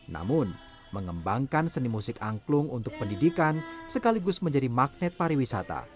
namun mengembangkan seni musik angklung untuk pendidikan sekaligus menjadi magnet pariwisata